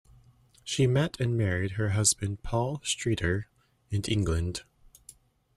She met and married her husband Paul Streeter in England.